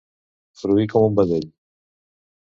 Fruir com un vedell.